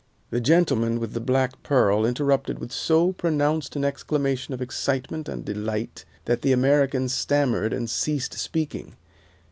The gentleman with the black pearl interrupted with so pronounced an exclamation of excitement and delight that the American stammered and ceased speaking.